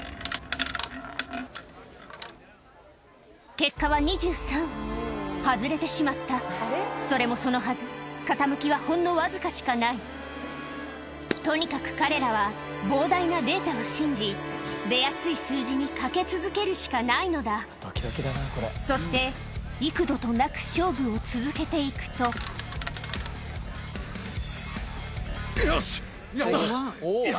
結果は２３外れてしまったそれもそのはず傾きはほんのわずかしかないとにかく彼らは膨大なデータを信じ出やすい数字に賭け続けるしかないのだそして幾度となく勝負を続けていくとよし！